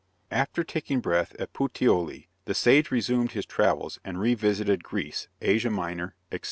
After taking breath at Puteoli, the sage resumed his travels and revisited Greece, Asia Minor, etc.